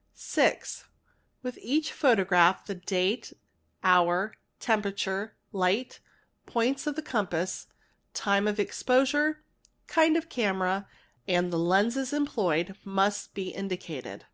: a 6. With each photograph the date, hour, temperature, light, points of the compass, time of exposure, kind of camera, and the lenses employed — must be indicated.